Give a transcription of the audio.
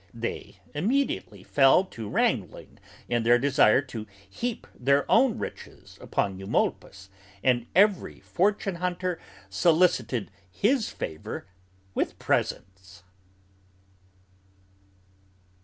They immediately fell to wrangling in their desire to heap their own riches upon Eumolpus and every fortune hunter solicited his favor with presents.